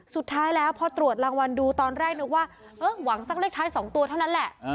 สุดท้ายแล้วพอตรวจรางวัลดูตอนแรกนึกว่าเออหวังสักเลขท้าย๒ตัวเท่านั้นแหละ